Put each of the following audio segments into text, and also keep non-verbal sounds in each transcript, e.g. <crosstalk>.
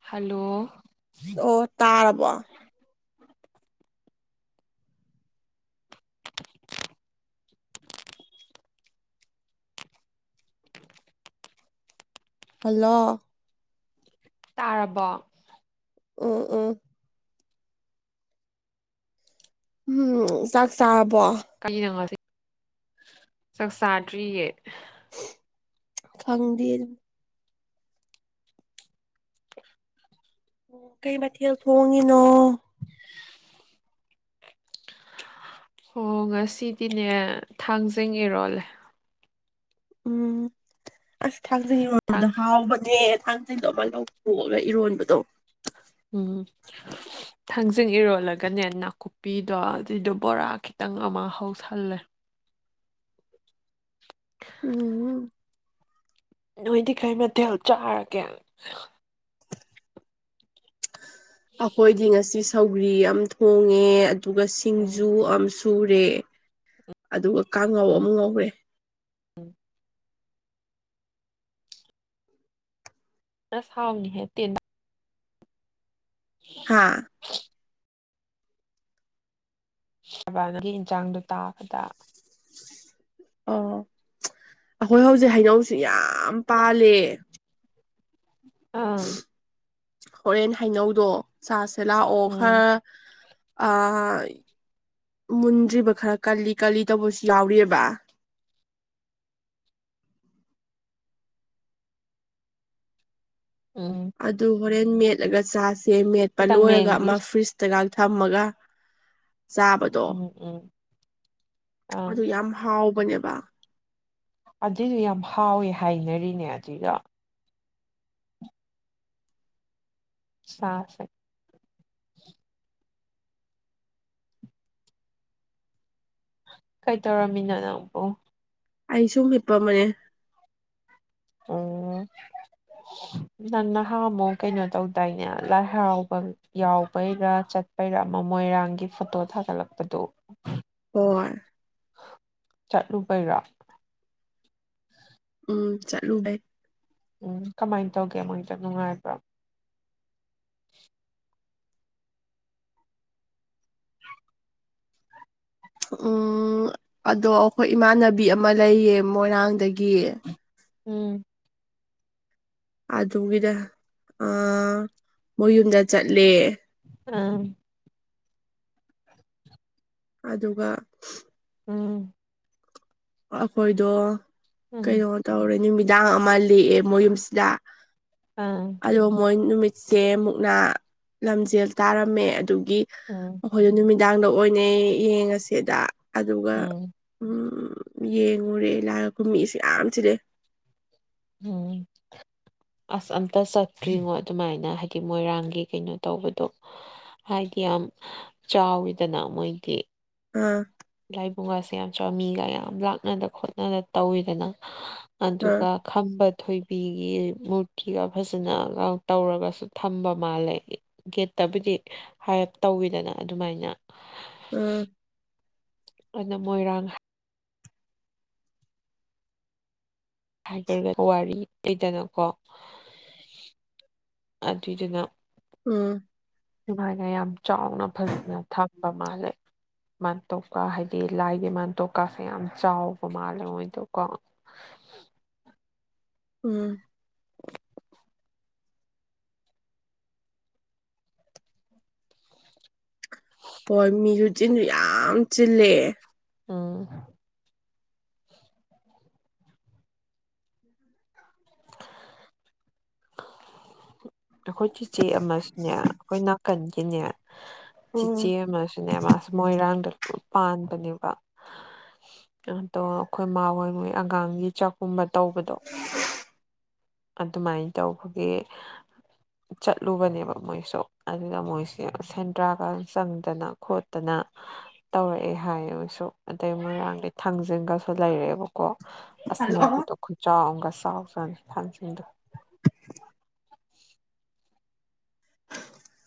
Hello ꯑꯣ ꯇꯥꯔꯕꯣ <unintelligible> hello ꯇꯥꯔꯕꯣ ꯑꯣ ꯑꯣ ꯎꯝ ꯆꯥꯛ ꯆꯥꯕꯣ ꯀꯩꯅꯉꯁꯤ ꯆꯥꯛ ꯆꯥꯗ꯭ꯔꯤꯌꯦ ꯈꯪꯗꯦꯅꯦ <inaudible> ꯑꯣ ꯀꯩ ꯃꯊꯦꯜ ꯊꯣꯡꯉꯤꯅꯣ ꯑꯣ ꯉꯁꯤꯗꯤꯅꯦ ꯊꯥꯡꯖꯤꯡ ꯏꯔꯣꯜꯂꯦ ꯎꯝ ꯑꯁ ꯊꯥꯡꯖꯉꯤ ꯊꯥꯡ ꯃꯗꯣ ꯍꯥꯎꯕꯅꯦ ꯀꯗꯣ ꯑꯃ ꯂꯧꯊꯣꯛꯑꯒ ꯏꯔꯣꯟꯕꯗꯣ ꯎꯝ <unintelligible> ꯊꯥꯡꯖꯤꯡ ꯏꯔꯣꯜꯂꯒꯅꯦ ꯅꯥꯀꯨꯞꯄꯤꯗꯣ ꯑꯗꯨꯏꯗꯣ ꯕꯣꯔꯥ ꯈꯤꯇꯪ ꯑꯃ ꯍꯧꯁꯜꯂꯦ ꯎꯝ ꯎꯝ ꯅꯣꯏꯗꯤ ꯀꯩ ꯃꯊꯦꯜ ꯆꯥꯔꯒꯦ ꯑꯩꯈꯣꯏꯗꯤ ꯉꯁꯤ ꯁꯧꯒ꯭ꯔꯤ ꯌꯥꯝ ꯊꯣꯡꯉꯦ ꯑꯗꯨꯒ ꯎꯝ ꯁꯤꯡꯖꯨ ꯑꯃ ꯁꯨꯔꯦ ꯑꯗꯨꯒ ꯀꯥꯡꯉꯧ ꯑꯃ ꯉꯧꯔꯦ ꯎꯝ ꯇꯁ ꯍꯕꯅꯤꯍꯦ ꯇꯦꯟ ꯍꯥꯥ ꯊꯕꯥꯒꯤ ꯏꯟꯁꯥꯡꯗꯣ ꯇꯥꯕꯗ ꯑꯣ ꯑꯩꯈꯣꯏ ꯍꯧꯖꯤꯛ ꯍꯩꯅꯧꯁꯤ ꯌꯥꯝ ꯄꯥꯜꯂꯦ ꯑꯥ ꯍꯣꯔꯦꯟ ꯍꯩꯅꯧꯗꯣ ꯆꯥꯁꯦ ꯂꯥꯛꯑꯣ ꯎꯝ ꯈꯔ ꯑ ꯃꯨꯟꯗ꯭ꯔꯤꯕ ꯈꯔ ꯀꯜꯂꯤ ꯀꯜꯂꯤ ꯇꯧꯕꯁꯨ ꯌꯥꯎꯔꯤꯑꯕ ꯑꯣ ꯑꯗꯨ ꯍꯣꯔꯦꯟ ꯃꯦꯠꯂꯒ ꯆꯥꯁꯦ ꯃꯦꯠꯄ ꯈꯤꯇꯪ ꯂꯣꯏꯔꯒ ꯃꯦꯟꯕꯤ ꯑꯃ ꯐ꯭ꯔꯤꯖ ꯏꯁꯇꯒ ꯊꯝꯃꯒ ꯆꯥꯕ ꯎꯝ ꯎꯝ ꯑꯪ ꯑꯗꯨ ꯌꯥꯝ ꯍꯥꯎꯕꯅꯦꯕ ꯑꯗꯨꯏꯗꫭ ꯌꯥꯝ ꯍꯥꯎꯋꯦ ꯍꯥꯏꯅꯔꯤꯅꯦ ꯑꯗꯨꯏꯗꫭ ꯆꯥ ꯁꯦ ꯀꯩ ꯇꯧꯔꯝꯃꯤꯅꯣ ꯅꯪꯕꯨ ꯑꯩ ꯁꯨꯝ ꯍꯤꯞꯄ ꯑꯃꯅꯦ ꯑꯣꯝ ꯅꯪ ꯅꯍꯥ ꯑꯃꯨꯛ ꯀꯩꯅꯣ ꯇꯧꯗꯥꯏꯅꯦ ꯂꯥꯏ ꯍꯔꯥꯎꯕ ꯌꯥꯎꯕꯩꯔꯥ ꯆꯠ ꯄꯩꯔꯥꯃ ꯃꯣꯏꯔꯥꯡꯒꯤ ꯐꯣꯇꯣ ꯊꯥꯒꯠꯂꯛꯄꯗꯨ ꯑꯣ ꯆꯠꯂꯨꯕꯩꯔꯥ ꯎꯝ ꯆꯠꯂꯨꯕꯩ ꯎꯝ ꯀꯃꯥꯏꯅ ꯇꯧꯒꯦ ꯃꯗ ꯅꯨꯡꯉꯥꯏꯕ꯭ꯔꯣ <inaudible> ꯎꯝ ꯑꯗꯣ ꯑꯩꯈꯣꯏ ꯏꯃꯥꯟꯅꯕꯤ ꯑꯃ ꯂꯩꯌꯦ ꯃꯣꯏꯔꯥꯡꯗꯒꯤ ꯎꯝ ꯑꯗꯨꯒꯤꯗ ꯑ ꯃꯣꯏꯌꯨꯝꯗ ꯆꯠꯂꯦ ꯑꯥ ꯑꯗꯨꯒ ꯎꯝ ꯑꯩꯈꯣꯏꯗꯣ ꯎꯝ ꯀꯩꯅꯣ ꯇꯧꯔꯦ ꯅꯨꯃꯤꯗꯥꯡ ꯑꯃ ꯂꯦꯛꯑꯦ ꯃꯣꯏ ꯌꯨꯝꯁꯤꯗ ꯑꯥ ꯑꯣ ꯃꯣꯏ ꯅꯨꯃꯤꯠ ꯁꯦ ꯃꯨꯛꯅꯥ ꯂꯝꯖꯦꯜ ꯇꯥꯔꯝꯃꯦ ꯑꯗꯨꯒꯤ ꯎꯝ ꯑꯩꯈꯣꯏꯗ ꯅꯨꯃꯤꯠ ꯌꯥꯡꯅ ꯑꯣꯏꯅꯦ ꯌꯦꯡꯉꯁꯦꯗ ꯑꯗꯨꯒ ꯎꯝ ꯎꯝ ꯌꯦꯡꯉꯨꯔꯦ ꯂꯥꯛꯑꯒ ꯀꯨꯝꯃꯤꯁꯤ ꯌꯥꯝ ꯆꯤꯜꯂꯦ ꯎꯝ ꯑꯁ ꯑꯝꯇ ꯆꯠꯇ꯭ꯔꯤꯉꯣ ꯑꯗꯨꯃꯥꯏꯅ ꯍꯥꯏꯗꯤ ꯃꯣꯏꯔꯥꯡꯒꯤ ꯀꯩꯅꯣ ꯇꯧꯕꯗꯣ ꯍꯥꯏꯗꯤ ꯌꯥꯝ ꯆꯥꯎꯋꯤꯗꯅ ꯃꯣꯏꯗꯤ ꯑꯝ ꯂꯥꯏꯕꯨꯡꯒꯥꯁꯦ ꯌꯥꯝ ꯆꯥꯎꯏ ꯃꯤꯒ ꯌꯥꯝ ꯂꯥꯛꯅꯗ ꯈꯣꯠꯅꯗ ꯇꯧꯋꯤꯗꯅ ꯑꯥ ꯑꯗꯨꯒ ꯈꯝꯕ ꯊꯣꯏꯕꯤꯒꯤ ꯃꯨꯔꯇꯤꯒ ꯐꯖꯅꯒ ꯇꯧꯔꯒꯁꯨ ꯊꯝꯕ ꯃꯥꯜꯂꯦ ꯒꯦꯠꯇꯕꯨꯗꯤ ꯍꯥꯏꯞ ꯇꯧꯋꯤꯗꯅ ꯑꯗꯨꯃꯥꯏꯅ ꯎꯝ ꯑꯗꯨꯅ ꯃꯣꯏꯔꯥꯡ ꯍꯥꯏꯔꯥꯒ ꯋꯥꯔꯤ ꯂꯩꯗꯅꯀꯣ ꯑꯗꯨꯗꯨꯅ ꯎꯝ ꯁꯨꯃꯥꯏꯅ ꯌꯥꯝ ꯆꯥꯎꯅ ꯐꯖꯅ ꯊꯝꯕ ꯃꯥꯜꯂꯦ ꯃꯥꯟꯇꯣꯞꯀꯥ ꯍꯥꯏꯗꯤ ꯂꯥꯏꯒꯤ ꯃꯥꯟꯇꯣꯄꯀꯥꯁꯦ ꯌꯥꯝ ꯆꯥꯎꯕ ꯃꯥꯜꯂꯦ ꯃꯣꯏꯗꯣꯀꯣ ꯎꯝ <unintelligible> ꯍꯣꯏ ꯃꯤꯁꯨ ꯆꯤꯟꯗꯨ ꯌꯥꯝ ꯆꯤꯜꯂꯦ ꯑꯝ <inaudible> ꯑꯩꯈꯣꯏ ꯆꯤꯆꯦ ꯑꯃꯁꯨꯅꯦ ꯑꯩꯈꯣꯏ ꯅꯥꯀꯟꯒꯤꯅꯦ ꯎꯝ ꯆꯤꯆꯦ ꯑꯃꯁꯨꯅꯦ ꯃꯥꯁꯨ ꯃꯣꯏꯔꯥꯡꯗ ꯄꯥꯟꯕꯅꯦꯕ ꯑꯗꯣ ꯑꯩꯈꯣꯏ ꯃꯥ ꯍꯣꯏꯍꯣꯏ ꯑꯉꯥꯡꯒꯤ ꯆꯥꯛꯀꯨꯝꯕ ꯇꯧꯕꯗꯣ <unintelligible> ꯑꯗꯨꯃꯥꯏꯅ ꯇꯧꯕꯒꯤ <inaudible> ꯆꯠꯂꯨꯕꯅꯦꯕ ꯃꯣꯏꯁꯨ ꯑꯗꯨꯗ ꯃꯣꯏꯁꯦ ꯁꯦꯟꯗ꯭ꯔꯥꯒ ꯆꯪꯗꯅ ꯈꯣꯠꯇꯅ ꯇꯧꯔꯛꯑꯦ ꯍꯥꯏꯌꯦ ꯃꯣꯏꯁꯨ ꯑꯗꯩ ꯃꯣꯏꯔꯥꯡꯗꯩ ꯊꯥꯡꯖꯤꯡꯒꯁꯨ ꯂꯩꯔꯛꯑꯦꯕ ꯀꯣ ꯑꯁ ꯍꯜꯂꯣ ꯃꯔꯨꯗꯣ ꯈꯨꯆꯥꯥꯎ ꯑꯝꯒ ꯆꯥꯎꯖꯥꯠꯅꯤ ꯊꯥꯡꯖꯤꯡꯗꯣ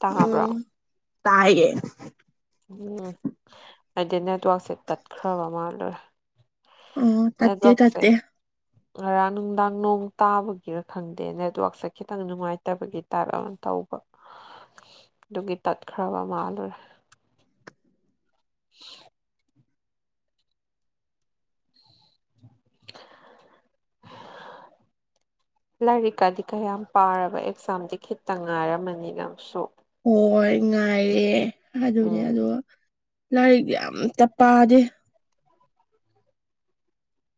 ꯇꯥꯕ꯭ꯔꯣ ꯎꯝ ꯇꯥꯏꯌꯦ ꯎꯝ ꯑꯩꯗꯤ ꯅꯦꯠꯋꯥꯛꯁꯦ ꯇꯠꯈ꯭ꯔꯕ ꯃꯥꯜꯂꯨꯔꯦ ꯎꯝ ꯇꯠꯇꯦ ꯅꯦꯠꯋꯥꯛꯁꯦ ꯇꯠꯇꯦ <inaudible> ꯉꯔꯥꯡ ꯅꯨꯡꯗꯥꯡ ꯅꯣꯡ ꯇꯥꯕꯒꯤꯔ ꯈꯪꯗꯦ ꯅꯦꯠꯋꯥꯛꯁꯦ ꯈꯤꯇꯪ ꯅꯨꯡꯉꯥꯏꯇꯕꯒꯤ ꯇꯥꯏꯞ ꯑꯃ ꯇꯧꯕ <inaudible> ꯑꯗꯨꯒꯤ ꯇꯠꯈ꯭ꯔꯕ ꯃꯥꯜꯂꯨꯔꯦ <inaudible> <inaudible> ꯂꯥꯏꯔꯤꯛꯀꯗꯤ ꯀꯌꯥꯝ ꯄꯥꯔꯕ ꯑꯦꯛꯖꯥꯝꯗꯤ ꯈꯤꯠꯇ ꯉꯥꯏꯔꯝꯃꯅꯤꯅꯪꯁꯨ ꯍꯣꯏ ꯉꯥꯏꯔꯦ ꯑꯗꯨꯅꯦ ꯎꯝ ꯑꯁ ꯂꯥꯏꯔꯤꯛ ꯑꯥꯝꯇ ꯄꯥꯗꯦ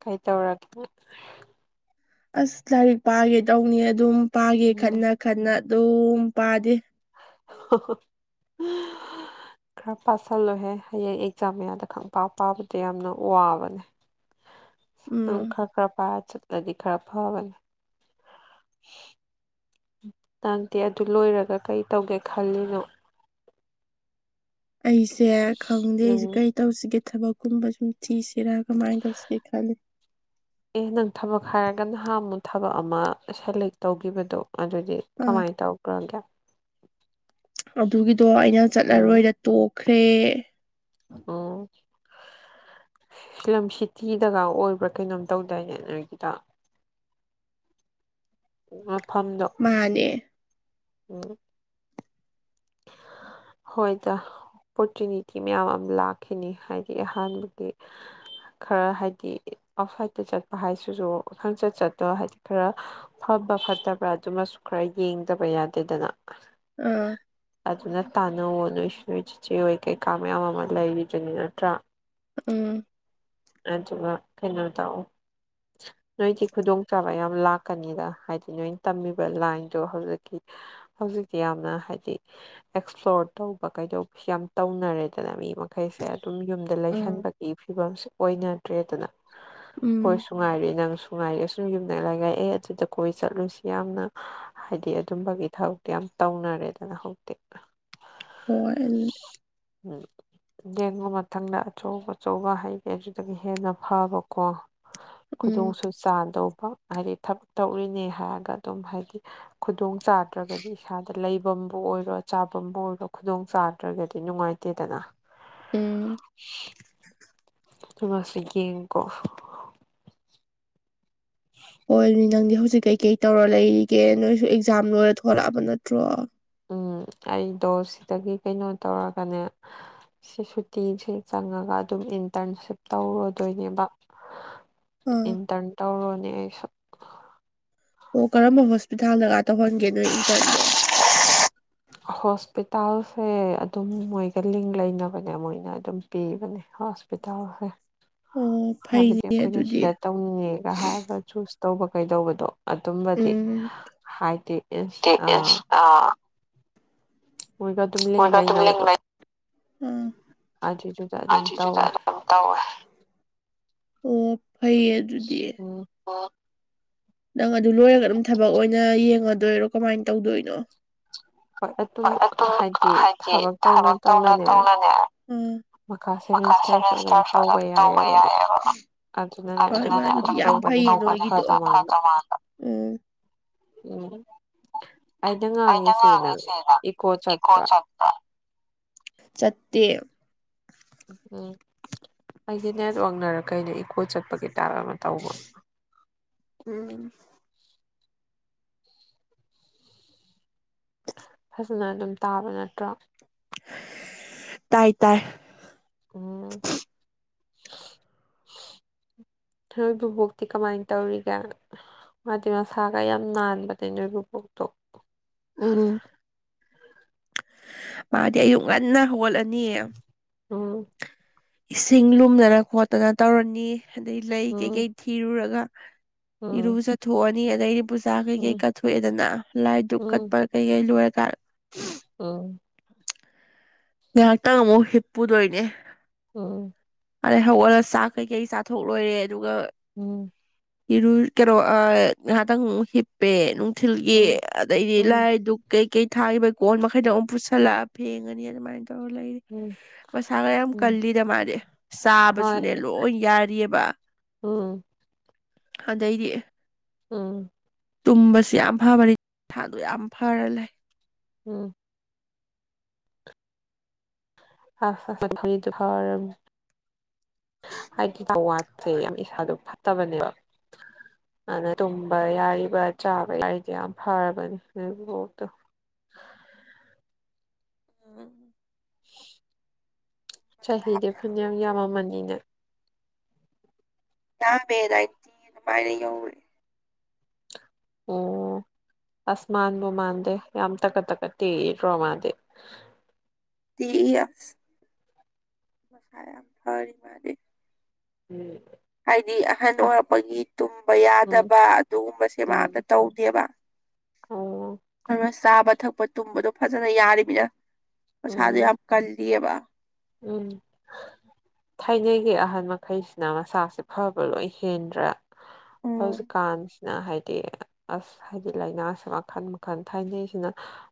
ꯀꯩ ꯇꯧꯔꯒꯦ ꯑꯁ ꯂꯥꯏꯔꯤꯛ ꯄꯥꯒꯦ ꯇꯧꯅꯤ ꯑꯗꯨꯝ ꯄꯥꯒꯦ ꯎꯝ ꯈꯟꯅ ꯈꯟꯅ ꯑꯗꯨꯝ ꯄꯥꯗꯦ ꯍꯥ ꯍꯥ ꯎꯝ ꯈꯔ ꯄꯥꯁꯤꯜꯂꯣꯏꯍꯦ ꯍꯌꯦꯡ ꯑꯦꯛꯖꯥꯝ ꯃꯌꯥꯗ ꯈꯪꯄꯥ ꯄꯥꯕꯗꯣ ꯌꯥꯝꯅ ꯋꯥꯕꯅꯦ <inaudible> ꯑꯗꯨꯝ ꯈꯔ ꯈꯔ ꯄꯥꯏꯔ ꯆꯠꯂꯗꯤ ꯈꯔ ꯐꯕꯅꯤ ꯅꯪꯗꯦ ꯑꯗꯨ ꯂꯣꯏꯔꯒ ꯀꯩ ꯇꯧꯒꯦ ꯈꯜꯂꯤꯅꯣ ꯑꯩꯁꯦ ꯈꯪꯗꯦ ꯑꯩꯁꯦ ꯎꯝ ꯀꯩ ꯇꯧꯁꯤꯒꯦ ꯊꯕꯛꯀꯨꯝꯕ ꯁꯨꯝ ꯊꯤꯁꯤꯔ ꯀꯃꯥꯏꯅ ꯇꯧꯁꯤꯒꯦ ꯈꯜꯂꯤ ꯑꯦ ꯅꯪ ꯊꯕꯛ ꯍꯥꯏꯔꯒ ꯅꯍꯥꯟ ꯑꯃꯨꯛ ꯊꯕꯛ ꯑꯃ ꯁꯦꯂꯦꯛ ꯇꯧꯒꯤꯕꯗꯣ ꯑꯗꯨꯗꯤ ꯑꯥ ꯀꯃꯥꯏ ꯇꯧꯒ꯭ꯔꯒꯦ ꯑꯗꯨꯒꯤꯗꯣ ꯑꯩꯅ ꯆꯠꯂꯔꯣꯏꯗ ꯇꯣꯛꯈ꯭ꯔꯦ꯫ ꯑꯣ ꯐꯤꯂꯝ ꯁꯤꯇꯤꯗꯒ ꯑꯣꯏꯕ꯭ꯔꯥ ꯀꯩꯅꯣꯝ ꯇꯧꯗꯥꯏꯅꯦ ꯅꯣꯏꯒꯤꯗꫭ꯫ ꯃꯐꯝꯗꯣ ꯃꯥꯅꯦ ꯎꯝ ꯍꯣꯏ ꯇ ꯑꯣꯄꯣꯔꯆꯨꯅꯤꯇꯤ ꯃꯌꯥꯝ ꯑꯃ ꯂꯥꯛꯈꯤꯅꯤ ꯍꯥꯏꯗꯤ ꯑꯍꯥꯟꯕꯒꯤ ꯈꯔ ꯍꯥꯏꯗꯤ ꯑꯥꯎꯠꯁꯥꯏꯗꯠꯇ ꯆꯠꯄ ꯍꯥꯏꯁꯤꯁꯨ ꯈ ꯈꯪꯆꯠ ꯆꯠꯇ ꯍꯥꯏꯗꯤ ꯈꯔ ꯐꯕ ꯐꯠꯇꯕ꯭ꯔꯥ ꯑꯗꯨꯃꯁꯨ ꯈꯔ ꯌꯦꯡꯗꯕ ꯌꯥꯗꯦꯗꯅ꯫ ꯑꯝ ꯑꯗꯨꯅ ꯇꯥꯟꯅꯧꯑꯣ ꯅꯨꯣꯏꯁꯨ ꯅꫭꯏ ꯆꯤꯆꯦ ꯍꯣꯏ ꯀꯩꯀꯥ ꯃꯌꯥꯝ ꯑꯃ ꯂꯩꯔꯤꯗꯨꯅꯤ ꯅꯠꯇ꯭ꯔꯥ꯫ ꯎꯝ ꯑꯗꯨꯒ ꯀꯩꯅꯣ ꯇꯥꯛꯑꯣ ꯅꯣꯏꯗꯤ ꯈꯨꯗꯣꯡꯆꯥꯥꯕ ꯌꯥꯝ ꯂꯥꯛꯀꯅꯤꯗ ꯍꯥꯏꯗꯤ ꯅꯣꯏꯅ ꯇꯝꯃꯤꯕ ꯂꯥꯏꯟꯗꯣ ꯍꯧꯖꯤꯛꯀꯤ ꯍꯧꯖꯤꯛꯇꯤ ꯌꯥꯝꯅ ꯍꯥꯏꯗꯤ ꯑꯦꯛꯁꯄ꯭ꯂꯣꯔ ꯇꯧꯕ ꯀꯩꯗꯧꯕ ꯌꯥꯝ ꯇꯧꯅꯔꯦꯗꯅ ꯃꯤ ꯃꯈꯩꯁꯦ ꯑꯗꯨꯝ ꯌꯨꯝꯗ ꯎꯝ ꯂꯩꯁꯟꯕꯒꯤ ꯐꯤꯕꯝꯁꯦ ꯑꯣꯏꯅꯗ꯭ꯔꯦꯗꯅ ꯫ ꯎꯝ ꯅꯨꯡꯉꯥꯏꯔꯏ ꯅꯪꯁꯨ ꯉꯥꯏꯔꯤ ꯑꯁꯨꯝ ꯌꯨꯝꯗ ꯂꯩ ꯂꯛꯑꯦ ꯑꯗꯨꯗ ꯀꯣꯏ ꯆꯠꯂꯨꯁꯤ ꯌꯥꯝꯅ ꯍꯥꯏꯗꯤ ꯑꯗꯨꯝꯕꯒꯤ ꯊꯕꯛꯇꯤ ꯌꯥꯝ ꯇꯧꯅꯔꯦꯗꯅ ꯍꯧꯇꯤ꯫ ꯍꯣꯏ ꯎꯝ ꯌꯦꯡꯕ ꯃꯊꯪꯗ ꯑꯆꯧ ꯑꯆꯧꯕ ꯍꯥꯏ ꯍ ꯑꯗꯨꯗꯒꯤ ꯍꯦꯟꯅ ꯐꯕꯀꯣ ꯎꯝ ꯈꯨꯗꯣꯡꯁꯨ ꯆꯥꯗꯧꯕ ꯍꯥꯏꯗꯤ ꯊꯕꯛ ꯇꯧꯔꯤꯅꯦ ꯍꯥꯏꯔꯒ ꯑꯗꯨꯝ ꯍꯥꯏꯗꯤ ꯈꯨꯗꯣꯡ ꯆꯥꯠꯇ꯭ꯔꯒꯗꯤ ꯏꯁꯥꯗ ꯂꯩꯕꯝꯕꯨ ꯑꯣꯏꯔꯣ ꯆꯥꯐꯝꯕꯨ ꯑꯣꯏꯔꯣ ꯈꯨꯗꯣꯡ ꯆꯥꯗ꯭ꯔꯒꯗꯤ ꯅꯨꯡꯉꯥꯏꯇꯦꯗꯅ꯫ ꯎꯝ ꯃꯁꯤ ꯒꯦꯛ ꯀꯣ꯫ <unintelligible> ꯍꯣꯏꯅꯤ ꯅꯪꯗꯤ ꯍꯧꯖꯤꯛ ꯀꯩ-ꯀꯩ ꯇꯧꯔꯥ ꯂꯩꯔꯤꯒꯦ ꯅꯣꯏꯁꯨ ꯑꯦꯛꯖꯥꯝ ꯂꯣꯏꯔꯥ ꯊꯣꯛꯂꯛꯑꯕ ꯅꯠꯇ꯭ꯔꯣ꯫ ꯎꯝ ꯑꯩꯗꯣ ꯁꯤꯗꯥꯒꯤ ꯀꯩꯅꯣ ꯇꯧꯔꯥꯒꯅꯦ꯫ ꯁꯤ ꯁꯨꯇꯤꯁꯦ ꯆꯪꯉꯥꯒ ꯑꯗꯨꯝ ꯏꯟꯇ꯭ꯔꯟꯁꯤꯞ ꯇꯧꯔꯨꯗꯣꯏꯅꯦꯕ꯫ ꯑꯥ ꯏꯟꯇ꯭ꯔꯟ ꯇꯧꯔꯣꯅꯦ ꯑꯩꯁꯨ꯫ ꯑꯣ ꯀꯔꯝꯕ ꯍꯣꯁꯄꯤꯇꯥꯜꯗꯒ ꯇꯧꯍꯟꯒꯦ ꯅꯣꯏ ꯏꯟꯇꯜꯗꯣ꯫ ꯍꯣꯁꯄꯤꯇꯥꯜꯁꯦ ꯑꯗꯨꯝ ꯃꯣꯏꯒꯥ ꯂꯤꯡ ꯂꯩꯅꯕꯅꯦ ꯃꯣꯏꯅ ꯑꯗꯨꯝ ꯄꯤꯕꯅꯦ ꯍꯣꯁ꯫ ꯄ <unintelligible> ꯇꯥꯎꯦ ꯑꯣ ꯍꯥꯏꯕꯗꯤ ꯐꯩꯅꯦ ꯑꯩꯈꯣꯏꯅ ꯑꯗꯨꯗꯤ ꯁꯤꯗ ꯇꯧꯅꯤꯡꯉꯦꯒ ꯍꯥꯏꯔꯒ ꯆꯨꯁ ꯇꯧꯕ ꯀꯩꯗꯧꯕꯗꯣ꯫ ꯑꯗꯨꯝꯕꯗꯤ ꯎꯝ ꯍꯥꯏꯗꯤ ꯏꯁ ꯇꯦꯛ ꯑꯥ ꯏꯁ ꯑ ꯑꯣꯏꯒ ꯃꯣꯏꯒ ꯑꯗꯨꯝ ꯂꯤꯡ ꯂꯩ ꯎꯝ ꯑꯗꯨꯏꯗꯨꯗ ꯑꯗꯨꯝ ꯑꯗꯨ-ꯑꯗꯨꯗ ꯇꯧꯋꯦ -ꯑꯗꯨꯝ ꯇꯧꯋꯦ꯫ ꯑꯣ ꯐꯩꯌꯦ ꯑꯗꯨꯗꯤ ꯎꯝ ꯑꯣ ꯅꯪ ꯑꯗꯨ ꯂꯣꯏꯔꯒ ꯑꯗꯨꯝ ꯊꯕꯛ ꯑꯣꯏꯅ ꯌꯦꯡꯉꯗꯣꯏꯔꯣ ꯀꯃꯥꯏꯅ ꯇꯧꯗꯣꯏꯅꯣ꯫ ꯑꯗꯨꯝ ꯍꯥꯏꯗꯤ ꯊꯕꯛ ꯇꯧꯅ-ꯇꯧꯅꯅꯦ ꯎꯝ꯫ ꯃꯈꯥ ꯃꯀꯥ ꯁꯦꯃꯤꯁꯇꯔꯁꯨ ꯑꯗꯨꯝ ꯁꯤꯔꯤꯁꯊ꯭ꯔꯁꯨ ꯇꯧꯕ ꯌꯥꯏꯑꯕ ꯌꯥꯏꯌꯦꯕ꯫ ꯑꯗꯨꯅꯅꯦ ꯍꯣꯏ ꯑꯗꯨꯝ ꯃꯥꯕꯨꯗꯤ ꯊꯕꯛ ꯌꯥꯝ ꯇꯧꯕꯅ ꯐꯩꯌꯦ ꯍꯦꯟꯅ ꯅꯣꯏꯒꯤꯗꯣ ꯐꯗꯧ ꯃꯥꯟꯕ ꯎꯝ꯫ ꯎꯝ ꯑꯩꯅ ꯉꯥꯡꯉꯤꯁꯦ ꯅꯪ ꯏꯀꯣ ꯆꯠꯄ꯭ꯔꯥ꯫ ꯆꯠꯇꯦ꯫ ꯎꯝ ꯑꯩꯒꯤ ꯅꯦꯠꯋꯥꯛꯅꯥꯔ ꯀꯩꯅꯣ ꯏꯀꯣ ꯆꯠꯄꯒꯤ ꯇꯥꯔ ꯑꯃ ꯇꯧꯕ꯫ ꯎꯝ ꯐꯖꯅ ꯑꯗꯨꯝ ꯇꯥꯕ ꯅꯠꯇ꯭ꯔꯥ꯫ ꯇꯥꯏ ꯇꯥꯏ ꯎꯝ <inaudible> ꯅꯣꯏ ꯕꯨꯕꯣꯛꯇꯤ ꯀꯃꯥꯏ ꯇꯧꯔꯤꯒꯦ ꯃꯥꯗꯤ ꯃꯁꯥꯒ ꯌꯥꯝ ꯅꯥꯟꯕꯅꯦ ꯅꯣꯏꯕꯨꯕꯣꯛꯇꯣ ꯎꯝ ꯃꯥꯗꯤ ꯑꯌꯨꯛ ꯉꯟꯅ ꯍꯧꯒꯠꯂꯅꯤ ꯎꯝ ꯏꯁꯤꯡ ꯂꯨꯝꯂꯥꯔꯥ ꯈꯣꯠꯇꯅ ꯇꯧꯔꯥꯅꯤ ꯑꯗꯩ ꯂꯩ ꯀꯩ ꯎꯝ ꯀꯩ ꯊꯤꯔꯨꯔꯒ ꯏꯔꯨ ꯎꯝ ꯖꯥꯊꯣꯛꯑꯅꯤ ꯑꯗꯩꯗꯤ ꯄꯨꯁꯥ ꯀꯩ ꯀꯩ ꯎꯝ ꯀꯠꯊꯣꯛꯑꯦꯗꯅ ꯂꯥꯏꯗꯨꯛ ꯀꯠꯄ ꯀꯩꯩ ꯂꯣꯏꯦ ꯇꯔ ꯎꯪ ꯉꯥꯏꯍꯥꯛꯇꯪ ꯑꯃꯨꯛ ꯍꯤꯞꯄꯨꯗꯣꯏꯅꯦ ꯑꯣꯝ ꯑꯔꯩ ꯍꯧꯒꯠꯂꯒ ꯆꯥꯛ ꯀꯩ-ꯀꯩ ꯆꯥꯊꯣꯛ ꯂꯣꯏꯔꯦ ꯑꯗꯨꯒ ꯎꯝ ꯏꯔꯨ ꯀꯩꯅꯣ ꯑꯥ ꯉꯥꯍꯥꯛꯇꯪ ꯍꯤꯞꯄꯦ ꯅꯨꯡꯊꯤꯜꯒꯤ ꯎꯝ ꯑꯗꯩꯗꯤ ꯎꯝ ꯂꯥꯏ ꯗꯨꯛ ꯀꯩ ꯀꯩ ꯊꯥꯤꯕ ꯀꯣꯟ ꯃꯈꯩꯗꯣ ꯑꯃꯨꯛ ꯄꯨꯁꯜꯂꯛ ꯐꯦꯡꯉꯅꯤ ꯑꯗꯨꯃꯥꯏꯅ ꯇꯧꯔꯥ ꯂꯩ ꯎꯝ ꯃꯁꯥꯒ ꯌꯥꯝ ꯎꯝ ꯀꯜꯂꯤꯗ ꯃꯥꯗꯤ ꯍꯣꯏ ꯆꯥꯕꯁꯨꯅꯦ ꯂꯣꯏ ꯌꯥꯔꯤꯌꯦꯕ ꯎꯝ ꯑꯗꯩꯗꯤ ꯎꯝ ꯇꯨꯝꯕꯁꯤ ꯌꯥꯝ ꯐꯕꯅꯤꯁꯥꯗꯣ ꯌꯥꯝ ꯐꯔ ꯂꯩ ꯎꯝ ꯐꯥꯁ ꯁꯠ ꯄꯥ ꯐꯪꯗꯨ ꯐꯥ ꯔꯥ ꯕꯅꯦ ꯍꯥꯏꯗꯤ ꯑꯋꯥꯠꯁꯦ ꯍꯣꯏ ꯌꯥꯝ ꯏꯁꯥꯗ ꯐꯠꯇꯥꯕꯅꯦꯕ ꯑꯗꯩ ꯇꯨꯝꯕ ꯌꯥꯔꯤꯕ ꯆꯥꯕ ꯌꯥꯔꯤꯖꯦ ꯌꯥꯝ ꯐꯔꯤꯕꯅꯦ ꯅꯣꯏ ꯕꯨꯕꯣꯛꯇꯣ ꯎ ꯆꯥꯕ ꯆꯍꯤꯗꯤ ꯌꯥꯝ ꯐꯅꯤꯌꯥꯝ ꯌꯥꯝꯃꯝ ꯐꯔꯤꯕ ꯃꯥꯅꯤꯅꯦ ꯅꯍꯥꯟ ꯕꯦ ꯑꯗꯥꯥꯏꯅ <unintelligible> ꯌꯧꯔꯦ ꯎꯝ ꯑꯁ ꯃꯥꯟꯕꯨ ꯃꯥꯟꯗꯦ ꯌꯥꯝ ꯇꯥꯒꯠ-ꯇꯒꯠ ꯇꯦꯛꯏ ꯔꯣꯃꯥꯗꯤ ꯇꯤ ꯏ ꯑꯁ ꯃꯁꯥ ꯌꯥꯝ ꯑꯃ ꯐꯔꯤ ꯃꯥꯗꯤ ꯎꯝ ꯍꯥꯏꯗꯤ ꯑꯍꯟ ꯑꯣꯏꯔꯛꯄꯒꯤ ꯇꯨꯝꯕ ꯎꯝ ꯌꯥꯗꯕ ꯑꯗꯨꯒꯨꯝꯕꯁꯦ ꯃꯥꯗꯥ ꯎꯝ ꯇꯧꯗꯦꯕ ꯑꯣ <unintelligible> ꯑꯗꯨꯅ ꯆꯥꯕ ꯊꯛꯄ ꯇꯨꯝꯕꯗꯣ ꯐꯖꯅ ꯌꯥꯔꯤꯕꯅꯤꯅ ꯃꯁꯥꯗꯣ ꯎꯝ ꯌꯥꯝ ꯀꯜꯂꯤꯌꯦꯕ ꯎꯝ ꯊꯥꯏꯅꯒꯤ ꯑꯍꯟ ꯃꯈꯩꯁꯤꯅ ꯃꯁꯥꯁꯦ ꯐꯥꯕ ꯂꯣꯏ ꯍꯦꯟꯗ꯭ꯔꯥ ꯎꯝ ꯍꯧꯖꯤꯛꯀꯥꯟꯁꯤꯅ ꯍꯥꯏꯗꯤ ꯑꯁ ꯍꯥꯏꯗꯤ ꯂꯩꯅꯥꯁꯦ ꯃꯈꯜ-ꯃꯈꯜ ꯊꯥꯏꯅꯩꯁꯤꯅ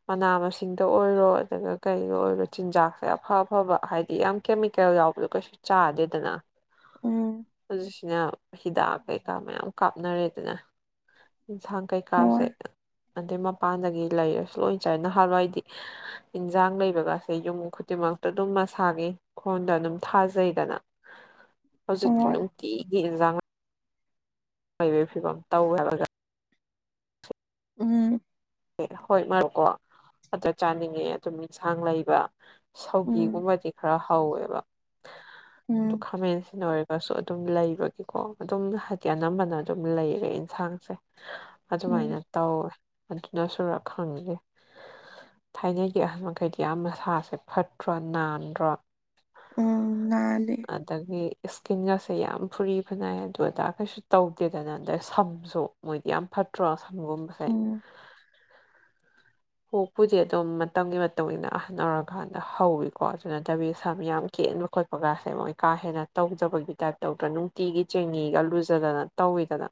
ꯃꯅꯥ ꯃꯁꯤꯡꯗ ꯑꯣꯏꯔꯣ ꯑꯗꯨꯒ ꯀꯩꯗ ꯑꯣꯏꯔꯣ ꯆꯤꯟꯖꯥꯛꯁꯦ ꯑꯐꯥ ꯑꯐꯕ ꯍꯥꯏꯗꯤ ꯌꯥꯝ ꯀꯦꯃꯤꯀꯦꯜ ꯌꯥꯎꯕꯗꯣ ꯀꯩꯁꯨ ꯆꯥꯗꯦꯗꯅ ꯎꯝ ꯑꯗꯨꯁꯤꯅ ꯍꯤꯗꯥꯛ ꯀꯩꯀꯥ ꯃꯌꯥꯝ ꯀꯥꯞꯅꯔꯦꯗꯅ ꯏꯟꯁꯥꯡ ꯀꯩ-ꯀꯥꯁꯦ ꯍꯣꯏ ꯑꯗꯩ ꯃꯄꯥꯟꯗꯒꯤ ꯂꯩꯔꯁꯨ ꯂꯣꯏꯅ ꯆꯥꯏ ꯅꯍꯥꯟꯋꯥ ꯍꯥꯏꯗꯤ ꯌꯦꯟꯖꯥꯡ ꯂꯩꯕꯒꯁꯦ ꯌꯨꯝ ꯈꯨꯗꯤꯡꯃꯛꯇ ꯑꯗꯨꯝ ꯥꯒꯤ ꯈꯣꯟꯗ ꯑꯗꯨꯝ ꯊꯥꯖꯩꯗꯅ ꯍꯧꯖꯤꯛꯇꯤ ꯍꯣꯏ ꯅꯨꯡꯇꯤꯒꯤ ꯏꯟꯁꯥꯡ ꯃꯩꯕꯦ ꯐꯤꯕꯝ ꯇꯧ ꯍꯥꯏꯕ ꯖꯥ ꯎꯝ ꯑꯦ ꯍꯣꯏ ꯃꯔꯨꯀꯣ ꯑꯗꯥ ꯆꯥꯅꯤꯡꯉꯦ ꯑꯗꯨꯝ ꯏꯟꯁꯥꯡ ꯂꯩꯕ ꯎꯝ ꯁꯧꯒꯤꯒꯨꯝꯕꯗꯤ ꯈꯔ ꯍꯧꯋꯦꯕ ꯑꯗꯨ ꯎꯝ ꯈꯥꯃꯦꯟ ꯑꯁꯤꯟ ꯑꯣꯏ ꯁꯨ ꯑꯗꯨꯝ ꯂꯩꯕꯒꯤꯦꯀꯣ ꯑꯗꯨꯝ ꯍꯥꯏꯗꯤ ꯑꯅꯝꯕꯅ ꯑꯗꯨꯝ ꯂꯩꯔꯦ ꯌꯦꯟꯁꯥꯡꯁꯦ ꯑꯗꯨꯃꯥꯏꯅ ꯎꯝ ꯇꯧꯋꯦ ꯑꯗꯨꯅ ꯁꯨꯔ ꯈꯪꯗꯦ ꯊꯥꯏꯅꯒꯤ ꯑꯍꯟ ꯃꯈꯩꯗꯤ ꯌꯥꯝ ꯃꯁꯥꯁꯦ ꯐꯠꯇ꯭ꯔꯣ ꯅꯥꯟꯗ꯭ꯔꯣ ꯎꯝ ꯅꯥꯟꯂꯦ ꯑꯗꯒꯤ ꯏꯁꯀꯤꯟꯒꯁꯦ ꯌꯥꯝ ꯐꯨꯔꯤ ꯐꯅꯏ ꯑꯗꯨ ꯑꯗꯥ ꯀꯩꯁꯨ ꯇꯧꯗꯦꯗꯅ ꯑꯗꯩ ꯁꯝꯁꯨ ꯃꯣꯏꯗꯤ ꯌꯥꯝ ꯐꯠꯇ꯭ꯔꯣ ꯁꯝꯒꯨꯝꯕꯁꯦ ꯎꯝ ꯍꯣꯛꯄꯨꯗꯤ ꯑꯗꯨꯝ ꯃꯇꯝꯒꯤ ꯃꯇꯨꯡ ꯏꯟꯅ ꯑꯍꯟ ꯑꯣꯏꯔꯀꯥꯟꯗ ꯍꯧꯋꯤꯀꯣ ꯑꯗꯨ ꯅꯠꯇꯥꯕꯤ ꯁꯝ ꯌꯥꯝ ꯀꯦꯟꯕ ꯈꯣꯠꯄ ꯀꯥꯁꯦ ꯃꯣꯏ ꯀꯥ ꯍꯦꯟꯅ ꯇꯧꯖꯕꯒꯤ ꯇꯥꯏꯞ ꯇꯧꯗ꯭ꯔꯥ ꯅꯨꯡꯇꯤꯒꯤ ꯆꯦꯡꯅꯤꯒ ꯂꯨꯖꯗꯅ ꯇꯧꯋꯤꯗꯅ